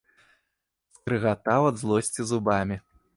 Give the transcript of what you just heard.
Скрыгатаў ад злосці зубамі.